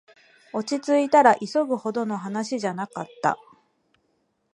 落ちついたら、急ぐほどの話じゃなかった